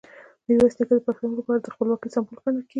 میرویس نیکه د پښتنو لپاره د خپلواکۍ سمبول ګڼل کېږي.